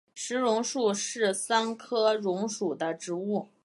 石榕树是桑科榕属的植物。